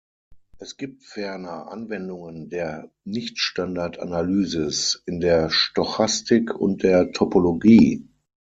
Es gibt ferner Anwendungen der Nichtstandardanalysis in der Stochastik und der Topologie.